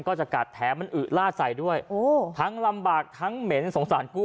มันก็จะกะแทียมันเอือหล้าใสด้วยทั้งลำบากทั้งเหมียบสมสัญผู้